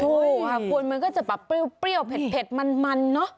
ใช่ค่ะคุณมันก็จะแบบเปรี้ยวเผ็ดมันเนอะ